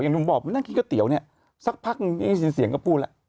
อย่างทุกคนบอกนั่งกินก๋อเตี๋ยวสักพักเสียงก็พูดแล้ว